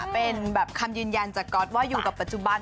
เป็นแบบคำยืนยันจากก๊อตว่าอยู่กับปัจจุบัน